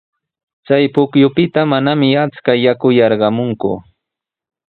Chay pukyupita manami achka yaku yarqamunku.